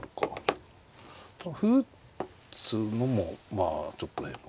歩打つのもまあちょっとね。